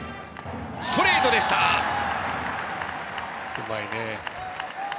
うまいね。